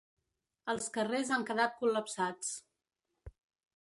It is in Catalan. Els carrers han quedat col·lapsats.